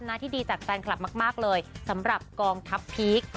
หน้าที่ดีจากแฟนคลับมากเลยสำหรับกองทัพพีค